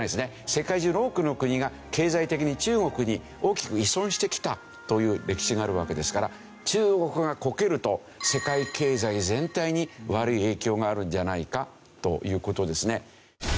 世界中の多くの国が経済的に中国に大きく依存してきたという歴史があるわけですから中国がコケると世界経済全体に悪い影響があるんじゃないかという事ですね。